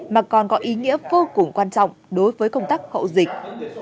mà còn có ý nghĩa vô cùng quan trọng đối với công tác hậu dịch